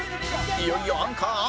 いよいよアンカー淳！